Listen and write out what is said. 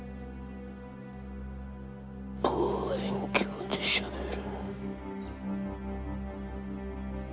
望遠鏡でしゃべる。